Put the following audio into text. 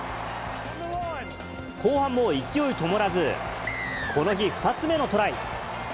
後半も勢い止まらず、この日２つ目のトライ。